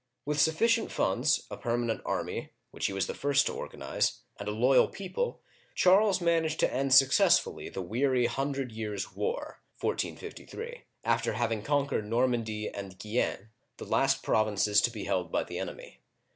With sufficient funds, a permanent army, — which he was the first to organize, — and a loyal people, Charles managed to end successfully the weary Hundred Years' War (1453), after having conquered Normandy and Gui enne, the last provinces to be held by the enemy.